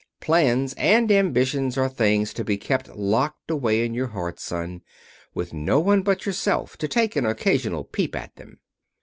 Plans and ambitions are things to be kept locked away in your heart, Son, with no one but yourself to take an occasional peep at them."